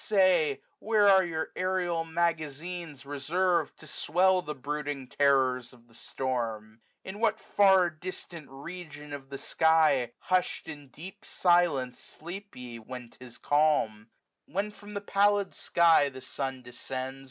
say, Where your aerial magazines reservM, To swell the brooding terrors of the storm ? 115 In what far distant region of the sky, Hush'd in deep silence, sleep ye when 't is calm ? When from the pallid sky the sun descends.